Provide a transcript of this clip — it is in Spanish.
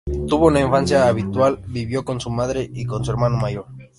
Tuvo una infancia habitual, vivió con su madre y con su hermano mayor.